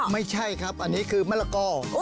ไม่ใช่ครับอันนี้คือมะละก้อ